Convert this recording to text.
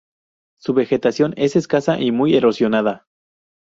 Su vegetación es escasa y muy erosionada.